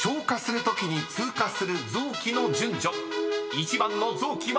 ［１番の臓器は］